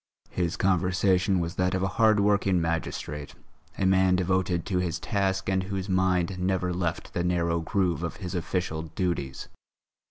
His conversation was that of a hard working magistrate, a man devoted to his task and whose mind never left the narrow groove of his official duties.